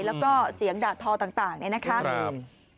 แล้วก็เสียงด่าทอต่างเนี่ยนะครับ